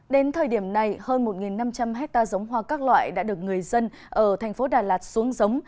đến thời điểm này hơn một năm trăm linh hectare giống hoa các loại đã được người dân ở thành phố đà lạt xuống giống